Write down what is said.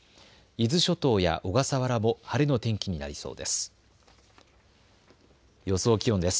伊豆諸島や小笠原も晴れの天気になりそうです。